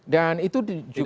dan itu juga